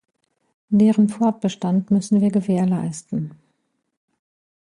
Deren Fortbestand müssen wir gewährleisten.